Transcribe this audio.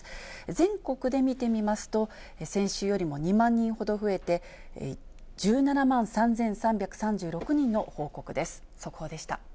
全国で見てみますと、先週よりも２万人ほど増えて、１７万３３３６人の報告です。